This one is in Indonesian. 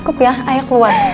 cukup ya ayo keluar